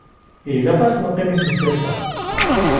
Ilaq ad as-neqqim i temsalt-a.